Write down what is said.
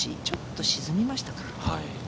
ちょっと沈みましたか。